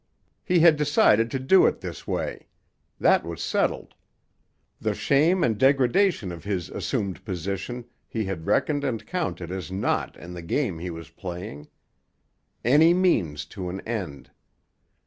He had decided to do it this way. That was settled. The shame and degradation of his assumed position he had reckoned and counted as naught in the game he was playing. Any means to an end.